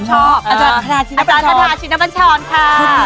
อาจารย์คะทากะทาชิ้นน้ำปัญชรค่ะ